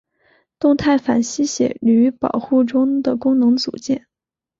动态反吸血驴保护中的功能组件。